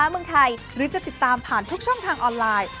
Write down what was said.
คุณจะติดตามผ่านทุกช่องทางออนไลน์